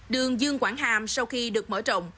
đường dương quảng hàm sau khi được mở rộng